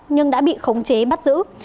nhưng đã bị khống chế bắt giữ